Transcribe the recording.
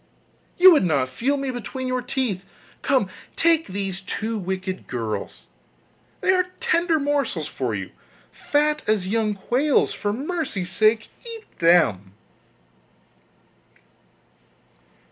you would not feel me between your teeth. Come, take these two wicked girls, they are tender morsels for you, fat as young quails; for mercy's sake eat them!